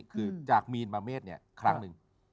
คือจากมีนมาเมฆครั้งหนึ่ง